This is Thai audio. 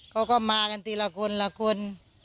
เขาก็มากันทีละคนละคน